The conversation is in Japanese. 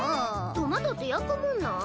トマトって焼くもんなん？